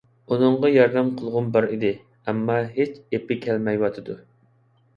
ئۇنىڭغا ياردەم قىلغۇم بار ئىدى، ئەمما ھېچ ئېپى كەلمەيۋاتىدۇ.